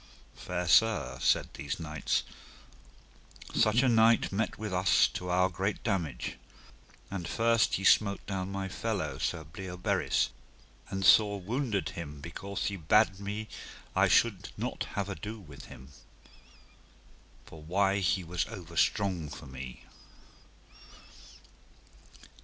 Fair sir, said these knights, such a knight met with us to our great damage. And first he smote down my fellow, Sir Bleoberis, and sore wounded him because he bade me I should not have ado with him, for why he was overstrong for me.